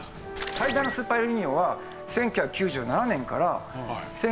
最大のスーパーエルニーニョは１９９７年から１９９８年。